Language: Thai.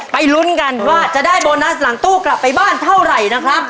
ลุ้นกันว่าจะได้โบนัสหลังตู้กลับไปบ้านเท่าไหร่นะครับ